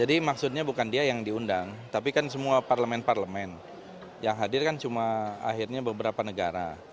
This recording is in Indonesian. jadi maksudnya bukan dia yang diundang tapi kan semua parlemen parlemen yang hadir kan cuma akhirnya beberapa negara